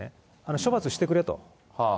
処罰してくれと。